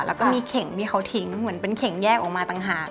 แล้วก็มีเข่งที่เขาทิ้งเหมือนเป็นเข่งแยกออกมาต่างหาก